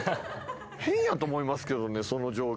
変やと思いますけどねその状況。